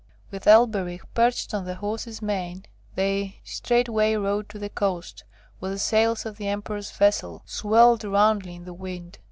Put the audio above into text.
With Elberich perched on the horse's mane, they straightway rode to the coast, where the sails of the Emperor's vessel swelled roundly in the wind.